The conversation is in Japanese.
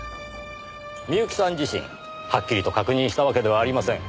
深雪さん自身はっきりと確認したわけではありません。